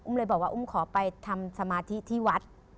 เลยบอกว่าอุ้มขอไปทำสมาธิที่วัด